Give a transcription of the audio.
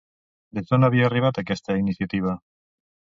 Des d'on havia arribat aquesta iniciativa?